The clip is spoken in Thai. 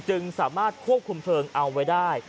จึงสามารถควบคุมเพลิงเอาไว้ได้